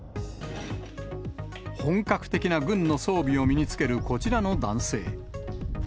本格的な軍の装備を身に着けるこちらの男性。